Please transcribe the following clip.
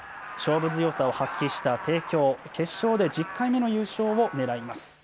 勝負強さを発揮した帝京、決勝で１０回目の優勝を狙います。